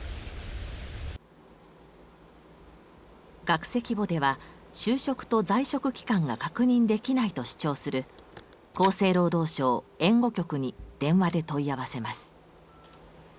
学籍簿では就職と在職期間が確認できないと主張する厚生労働省・援護局に電話で問い合わせます。